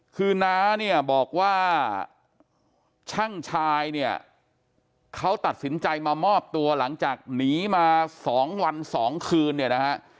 คือน้าเนี่ยบอกว่าช่างชายเนี่ยเขาตัดสินใจมามอบตัวหลังจากหนีมา๒วัน๒คืนเนี่ยนะฮะ